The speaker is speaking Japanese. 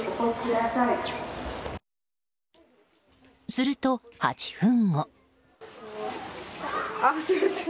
すると、８分後。